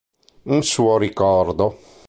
In suo ricordo.